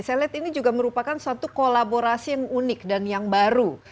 saya lihat ini juga merupakan suatu kolaborasi yang unik dan yang baru